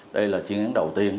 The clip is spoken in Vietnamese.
đây là chiến án đầu tiên